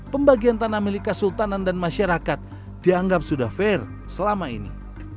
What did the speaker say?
pembagian tanah milik kesultanan dan masyarakat dianggap sudah fair selama ini